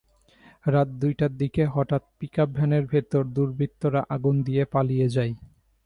রাত দুইটার দিকে হঠাৎ পিকআপ ভ্যানের ভেতরে দুর্বৃত্তরা আগুন দিয়ে পালিয়ে যায়।